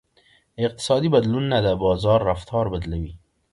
اقتصادي بدلونونه د بازار رفتار بدلوي.